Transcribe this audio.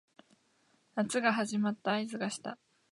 夏が始まった合図がした